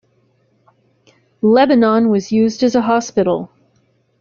Lebanon was used as a hospital.